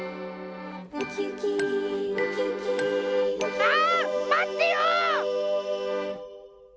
ああまってよ！